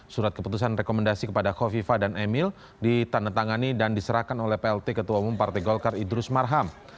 surat keputusan rekomendasi kepada kofifa dan emil ditandatangani dan diserahkan oleh plt ketua umum partai golkar idrus marham